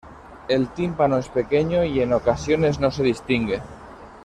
El tímpano es pequeño y en ocasiones no se distingue.